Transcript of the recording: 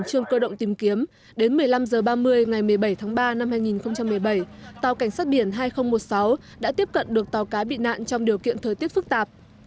đến một mươi năm h ba mươi ngày một mươi bảy tháng ba năm hai nghìn một mươi bảy tàu cảnh sát biển hai nghìn một mươi sáu đã tiếp cận được tàu cá bị nạn trong điều kiện thời tiết phức tạp